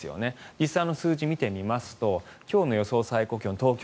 実際の数字を見てみますと今日の最高気温の予想